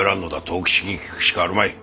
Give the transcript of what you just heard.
藤吉に聞くしかあるまい。